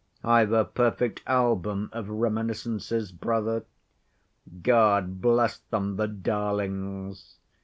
I've a perfect album of reminiscences, brother. God bless them, the darlings.